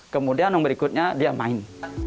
kemudian yang berikutnya dia main